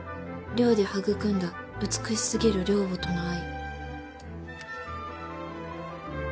「寮で育んだ美しすぎる寮母との愛！」